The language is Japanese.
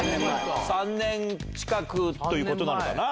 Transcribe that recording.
３年近くということなのかな。